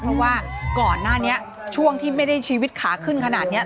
เพราะว่าก่อนหน้านี้ช่วงที่ไม่ได้ชีวิตขาขึ้นขนาดนี้